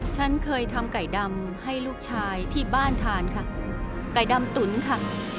ฉันเคยทำไก่ดำให้ลูกชายที่บ้านทานค่ะไก่ดำตุ๋นค่ะ